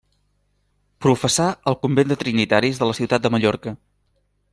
Professà al convent de trinitaris de la Ciutat de Mallorca.